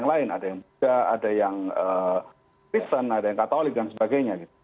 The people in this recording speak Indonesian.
ada yang buddha ada yang kristen ada yang katolik dan sebagainya gitu